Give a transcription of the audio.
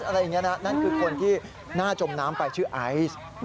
อะไรอย่างนี้นะนั่นคือคนที่น่าจมน้ำไปชื่อไอซ์